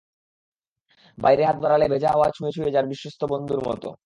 বাইরে হাত বাড়ালে ভেজা হাওয়া ছুঁয়ে ছুঁয়ে যায় বিশ্বস্ত বন্ধুর মতো।